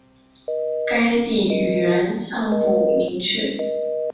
该地语源尚不明确。